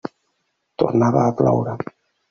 Tornava a ploure.